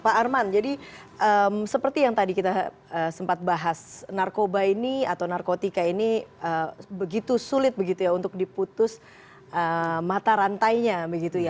pak arman jadi seperti yang tadi kita sempat bahas narkoba ini atau narkotika ini begitu sulit begitu ya untuk diputus mata rantainya begitu ya